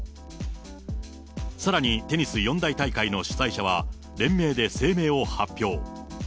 さらに、テニス四大大会の主催者は、連名で声明を発表。